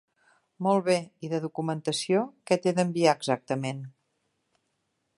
Molt bé, i de documentació que t'he d'enviar exactament?